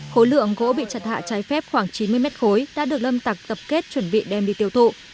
khối lượng gỗ bị chặt hạ trái phép khoảng chín mươi mét khối đã được lâm tặc tập kết chuẩn bị đem đi tiêu thụ